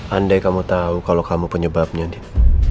andai kamu tahu kalau kamu penyebabnya deh